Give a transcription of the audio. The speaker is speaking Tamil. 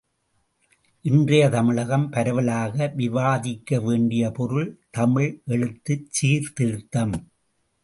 இன்றைய தமிழகம் பரவலாக விவாதிக்க வேண்டிய பொருள் தமிழ் எழுத்துச் சீர்திருத்தம்.